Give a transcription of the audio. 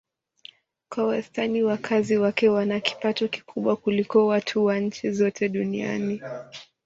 Kwa wastani wakazi wake wana kipato kikubwa kuliko watu wa nchi zote duniani.